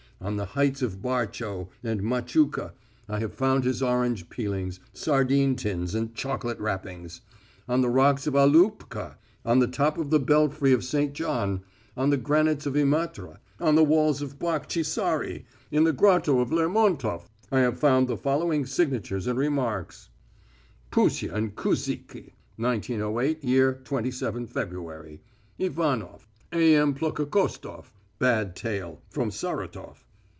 On the heights of Barchau and Machuka I have found his orange peelings, sardine tins, and chocolate wrappings. On the rocks of Aloopka, on the top of the belfry of St. John, on the granites of Imatra, on the walls of Bakhchisari, in the grotto of Lermontof, I have found the following signatures and remarks: "Pusia and Kuziki 1908 year 27 February." "Ivanof." "A. M. Plokhokhostof (Bad tail) from Saratof."